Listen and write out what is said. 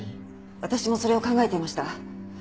私もそれを考えていました。